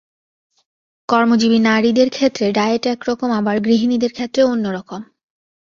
কর্মজীবী নারীদের ক্ষেত্রে ডায়েট এক রকম আবার গৃহিণীদের ক্ষেত্রে অন্য রকম।